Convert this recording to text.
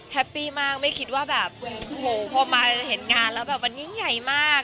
แฮปปี้มากไม่คิดว่าแบบโหพอมาเห็นงานแล้วแบบวันนี้ยังใหญ่มาก